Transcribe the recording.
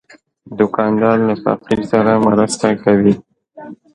دوکاندار له فقیر سره مرسته کوي.